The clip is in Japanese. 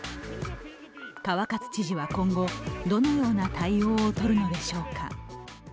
川勝知事は今後、どのような対応をとるのでしょうか。